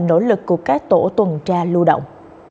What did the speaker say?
nỗ lực của các tổ tuần tra lưu động